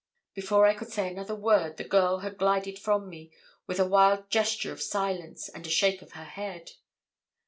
Before I could say another word, the girl had glided from me, with a wild gesture of silence, and a shake of her head.